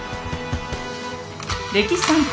「歴史探偵」